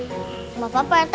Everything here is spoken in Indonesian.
gak apa apa pak rt